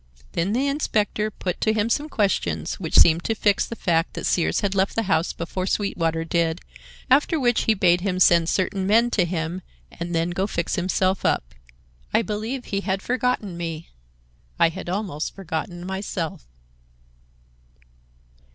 Then the inspector put to him some questions, which seemed to fix the fact that Sears had left the house before Sweetwater did, after which he bade him send certain men to him and then go and fix himself up. I believe he had forgotten me. I had almost forgotten myself.